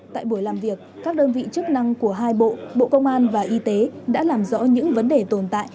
tại buổi làm việc các đơn vị chức năng của hai bộ bộ công an và y tế đã làm rõ những vấn đề tồn tại